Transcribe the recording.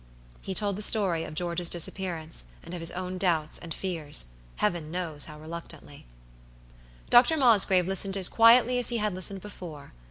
He told the story of George's disappearance, and of his own doubts and fears, Heaven knows how reluctantly. Dr. Mosgrave listened as quietly as he had listened before.